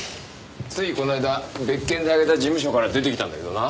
ついこの間別件であげた事務所から出てきたんだけどな。